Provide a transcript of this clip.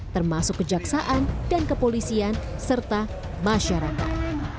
termasuk kejaksaan dan kepolisian serta masyarakat